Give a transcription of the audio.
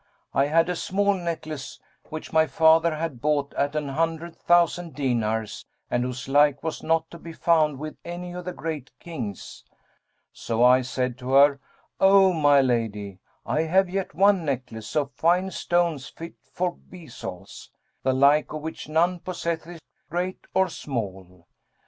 I had a small necklace which my father had bought at an hundred thousand dinars and whose like was not to be found with any of the great kings; so I said to her, 'O my lady, I have yet one necklace of fine stones fit for bezels, the like of which none possesseth, great or small.